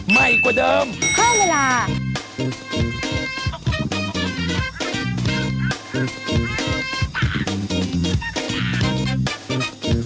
ใหม่กว่าจริง